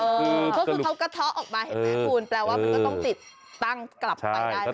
เขาก็เทาะออกมาเห็นแม้คูณแปลว่ามันก็ต้องติดตั้งกลับไปได้แหละ